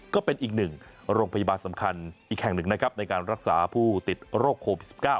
ก็เป็นอีกหนึ่งโรงพยาบาลสำคัญอีกแห่งหนึ่งนะครับในการรักษาผู้ติดโรคโควิด๑๙